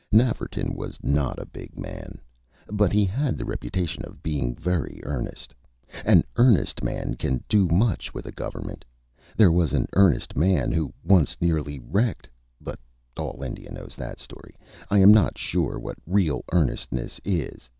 Nafferton was not a big man; but he had the reputation of being very "earnest." An "earnest" man can do much with a Government. There was an earnest man who once nearly wrecked... but all India knows THAT story. I am not sure what real "earnestness" is.